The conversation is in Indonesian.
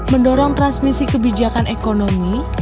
mendorong transmisi kebijakan ekonomi